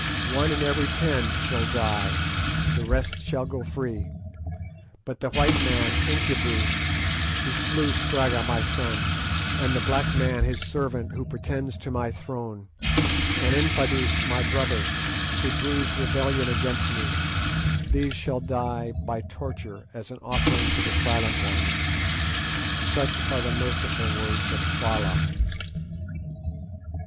One in every ten shall die, the rest shall go free; but the white man Incubu, who slew Scragga my son, and the black man his servant, who pretends to my throne, and Infadoos my brother, who brews rebellion against me, these shall die by torture as an offering to the Silent Ones.' Such are the merciful words of Twala."